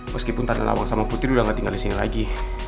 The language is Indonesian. meskipun tarna nawang sama putri udah ga tinggal disini lagi